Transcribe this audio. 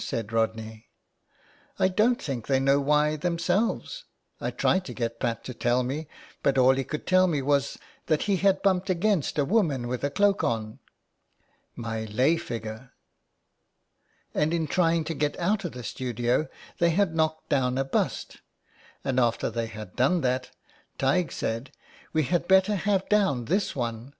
said Rodney, " I don't think they know why themselves. I tried to get Pat to tell me, but all he could tell me was that he had bumped against a woman with a cloak on.'' ''My lay figure." " And in trying to get out of the studio they had knocked down a bust, and after they had done that Taigdh said :—' We had better have down this one.